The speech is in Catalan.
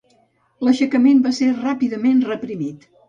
L'aixecament va ser ràpidament reprimit.